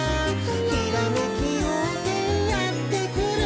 「ひらめきようせいやってくる」